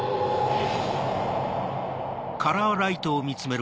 え？